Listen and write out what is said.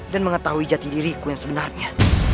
dan mengetahui jati diriku yang sebenarnya